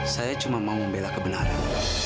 saya cuma mau membela kebenaran